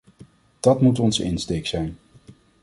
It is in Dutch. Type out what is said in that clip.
Dat moet onze insteek zijn.